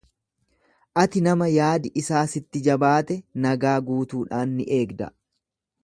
Ati nama yaadi isaa sitti jabaate nagaa guutuudhaan ni eegda.